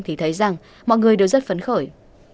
thì thấy rằng mọi người đều rất phấn khởi